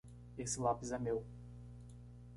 Esse lápis é meu.